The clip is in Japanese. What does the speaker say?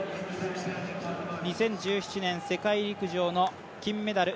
２０１７年世界陸上の金メダル